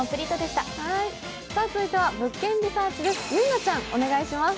続いては「物件リサーチ」です。